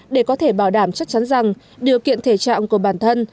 để có thể bảo đảm chắc chắn rằng điều kiện thể trạng của bản thân